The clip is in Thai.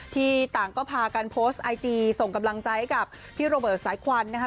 ที่ต่างก็พากันโพสต์ไอจีส่งกำลังใจให้กับพี่โรเบิร์ตสายควันนะคะ